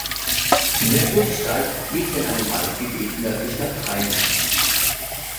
Der Burgstall liegt in einem Waldgebiet nördlich der Pfreimd.